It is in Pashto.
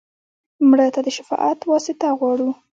مړه ته د شفاعت واسطه غواړو